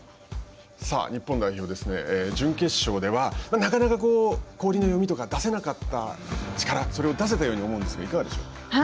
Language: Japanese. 日本代表です準決勝ではなかなか氷の読みとか出せなかった力それを出せたように思うんですがいかがでしょうか。